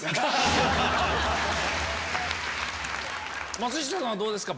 松下さんはどうですか？